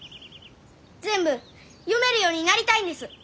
全部読めるようになりたいんです。